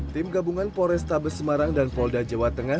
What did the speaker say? tim gabungan polrestabes semarang dan polda jawa tengah